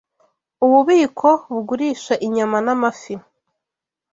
Ububiko bugurisha inyama n amafi.